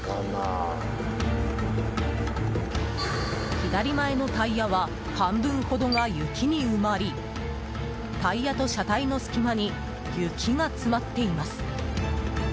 左前のタイヤは半分ほどが雪に埋まりタイヤと車体の隙間に雪が詰まっています。